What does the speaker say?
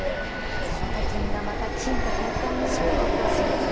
そのと金がまた金と交換になっていくわけですね。